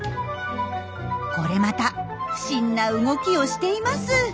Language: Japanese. これまた不審な動きをしています。